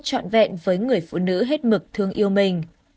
trọn vẹn với người phụ nữ hết mực thương yêu mình